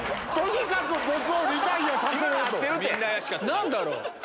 何だろう。